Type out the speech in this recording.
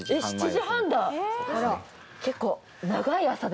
７時半だ。